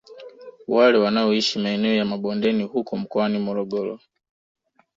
Wale wanaoishi maeneo ya mabondeni huko mkoani Morogoro